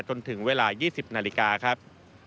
จนถึงเวลา๒๐นาฬิกาครับ